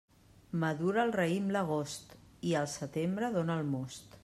Madura el raïm l'agost, i el setembre dóna el most.